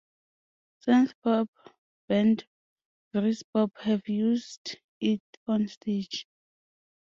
Synthpop band Freezepop have used it on stage.